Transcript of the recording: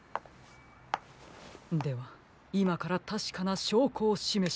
ではいまからたしかなしょうこをしめしましょう。